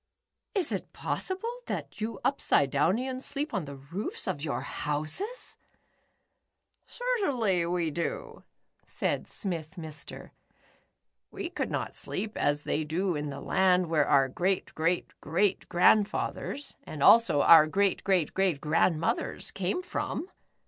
"Is it possible that you Upside downlans sleep on the roofs of your houses ?" "Certainly w^e do," said Smith Mr. "We would not sleep as they do in the land where our great great great grandfathers and also our great great great grandmothers came from."